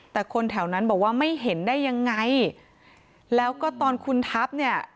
แต่คนแถวนั้นบอกว่าไม่เห็นได้ยังไงแล้วก็ตอนคุณทัพเนี่ย